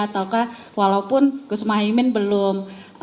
ataukah walaupun gus mohaimin belum